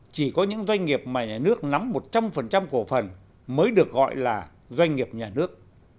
chỉ có những doanh nghiệp mà nhà nước nắm một trăm linh cổ phần mới được gọi là doanh nghiệp nhà nước